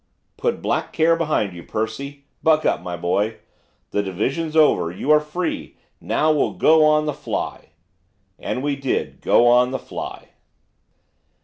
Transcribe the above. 'Put black care behind you, Percy! buck up, my boy! The division's over you are free now we'll go "on the fly."' And we did 'go on the fly.